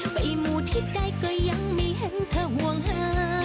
ไปหมู่ที่ใกล้ก็ยังมีให้เธอห่วงฮะ